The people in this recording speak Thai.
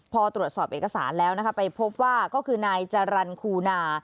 พอตรวจสอบเอกสารแล้วนะคะไปพบว่าก็คือนายจรรย์คูนา